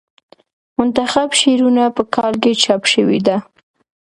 منتخب شعرونه په کال کې چاپ شوې ده.